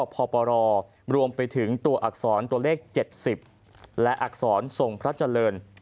ปปรรวมไปถึงตัวอักษรตัวเลข๗๐และอักษรทรงพระเจริญ